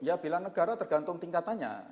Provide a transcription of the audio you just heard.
ya bela negara tergantung tingkatannya